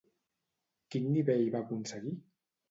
Quin nivell va aconseguir?